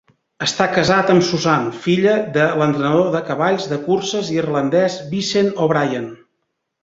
Està casat amb Susan, filla de l'entrenador de cavalls de curses irlandès Vincent O'Brien.